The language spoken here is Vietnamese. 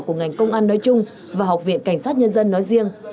của ngành công an nói chung và học viện cảnh sát nhân dân nói riêng